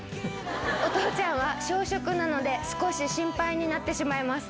お父ちゃんは少食なので、少し心配になってしまいます。